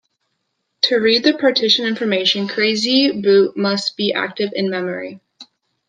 To read the partition information, Crazy Boot must be active in memory.